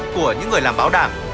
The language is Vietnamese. của những người làm bảo đảm